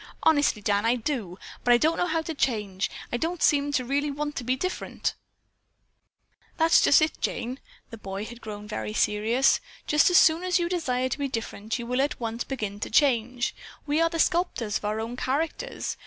Honestly, Dan, I do, but I don't know how to change. I don't seem to really want to be different." "That's just it, Jane." The boy had grown very serious. "Just as soon as you desire to be different you will at once begin to change. We are the sculptors of our own characters.